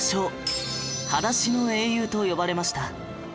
裸足の英雄と呼ばれました